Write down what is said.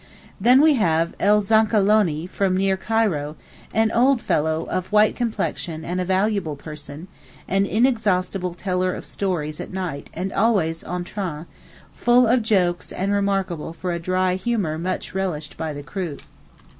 Then we have El Zankalonee from near Cairo, an old fellow of white complexion and a valuable person, an inexhaustible teller of stories at night and always en train, full of jokes and remarkable for a dry humour much relished by the crew.